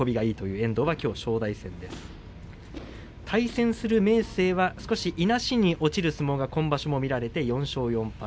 対戦する明生はいなしに落ちる相撲が今場所見られて、４勝４敗。